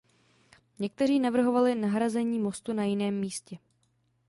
Někteří navrhovali nahrazení mostu na jiném místě.